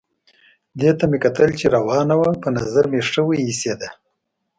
دې ته مې کتل چې روانه وه، په نظر مې ښه وه ایسېده.